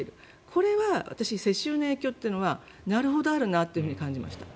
これは私、世襲の影響はなるほど、あるなと感じました。